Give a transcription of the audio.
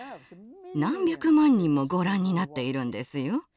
何百万人もご覧になっているんですよ。